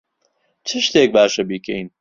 چ شتێک باشە بیکەین؟